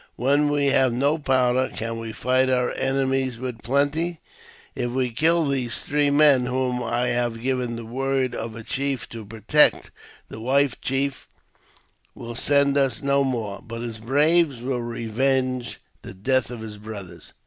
When we havei no powder, can we fight our enemies with plenty ? If we kill these three men, whom I have given the word of a chief to protect, the white chief will send us no more, but his braves will revenge the death of their brothers.